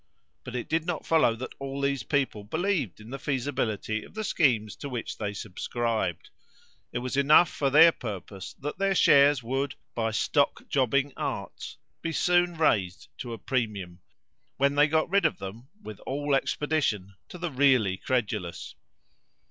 But it did not follow that all these people believed in the feasibility of the schemes to which they subscribed; it was enough for their purpose that their shares would, by stock jobbing arts, be soon raised to a premium, when they got rid of them with all expedition to the really credulous.